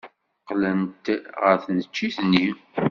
Qqlent ɣer tneččit-nni.